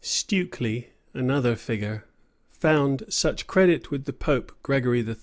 Stukely, another fugitive, found such credit with the pope, Gregory XIII.